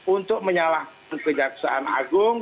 untuk menyalahkan kejaksaan agung